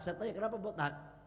saya tanya kenapa botak